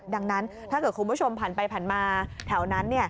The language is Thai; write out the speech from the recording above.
ดังนั้นถ้าเกิดคุณผู้ชมผ่านไปผ่านมาแถวนั้น